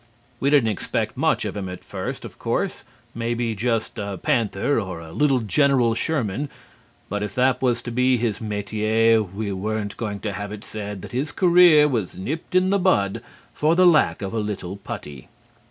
We didn't expect much of him at first, of course; maybe just a panther or a little General Sherman; but if that was to be his métier we weren't going to have it said that his career was nipped in the bud for the lack of a little putty.